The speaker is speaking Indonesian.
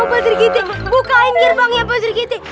pasri giti bukain nyerbangnya pasri giti